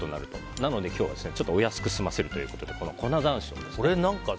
なので今日はお安く済ませるということで粉山椒。